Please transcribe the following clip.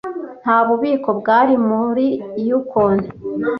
Nta bubiko bwari muri Yukon.